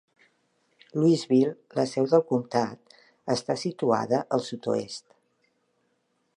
Louisville, la seu del comtat, està situada al sud-oest.